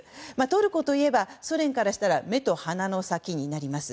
トルコといえばソ連からしたら目と鼻の先になります。